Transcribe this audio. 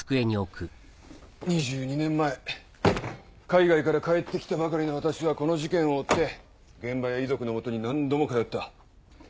２２年前海外から帰って来たばかりの私はこの事件を追って現場や遺族の元に何度も通った。